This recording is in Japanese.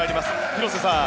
広瀬さん